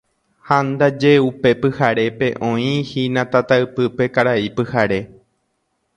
Ha ndaje upe pyharépe oĩhína tataypýpe Karai Pyhare.